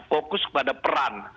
fokus pada peran